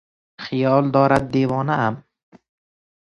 خیال دارد دیوانه ام.